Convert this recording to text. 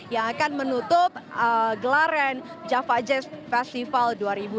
yang akan menutup gelaran java jazz festival dua ribu dua puluh